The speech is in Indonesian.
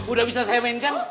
udah bisa saya mainkan